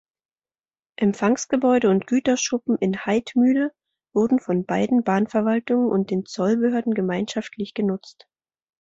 Empfangsgebäude und Güterschuppen in Haidmühle wurden von beiden Bahnverwaltungen und den Zollbehörden gemeinschaftlich genutzt.